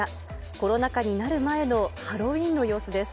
コロナ禍になる前のハロウィーンの様子です。